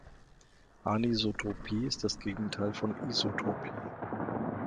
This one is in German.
Anisotropie ist das Gegenteil von Isotropie.